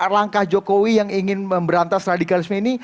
langkah jokowi yang ingin memberantas radikalisme ini